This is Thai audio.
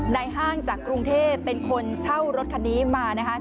ห้างจากกรุงเทพเป็นคนเช่ารถคันนี้มานะคะ